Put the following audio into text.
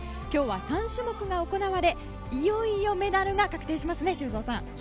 今日は３種目が行われいよいよメダルが確定しますね修造さん。